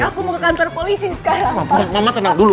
aku mau ke kantor polisi sekarang